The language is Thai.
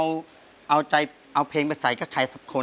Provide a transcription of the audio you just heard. แต่รถที่เอาใจเอาเพลงไปใส่ฆ่าใครทุกคน